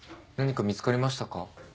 何か見つかりましたか？